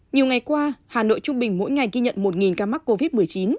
nhiều ngày qua hà nội trung bình mỗi ngày ghi nhận một ca mắc covid một mươi chín